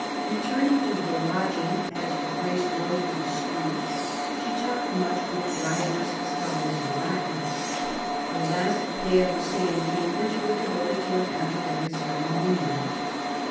Returning to her lodging, as Her Grace rode through the street, she talked much with divers scholars in Latin ". The last day of her stay in Cambridge was devoted to an academic ceremonial.